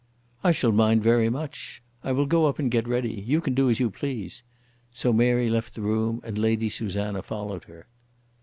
"I shall mind very much. I will go up and get ready. You can do as you please." So Mary left the room, and Lady Susanna followed her.